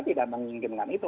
tidak menginginkan itu